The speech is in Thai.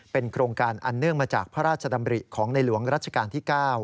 โครงการอันเนื่องมาจากพระราชดำริของในหลวงรัชกาลที่๙